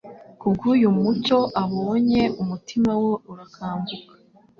Kubw'uyu mucyo abonye, umutima we urakanguka.